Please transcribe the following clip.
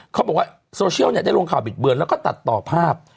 เขาบอกว่าโซเชียลเนี่ยได้ลงข่าวบิดเบือนแล้วก็ตัดต่อภาพ